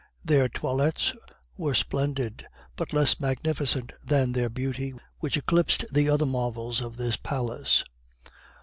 Their toilettes were splendid, but less magnificent than their beauty, which eclipsed the other marvels of this palace.